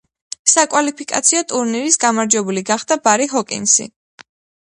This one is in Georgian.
საკვალიფიკაციო ტურნირის გამარჯვებული გახდა ბარი ჰოკინსი.